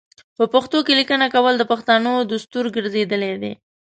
په پښتو کې لیکنه کول د پښتنو دستور ګرځیدلی دی.